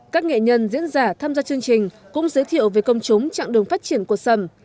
các nghệ nhân diễn giả tham gia chương trình cũng giới thiệu về công chúng trạng đường phát triển của sầm